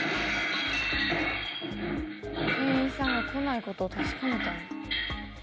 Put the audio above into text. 店員さんが来ない事を確かめたんだ。